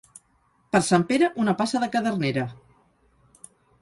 Per Sant Pere, una passa de cadernera.